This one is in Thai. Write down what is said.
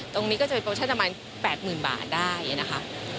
ตรงนี้ก็จะเป็นประมาณ๘๐๐๐๐บาทได้นะคะ